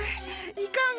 いかん。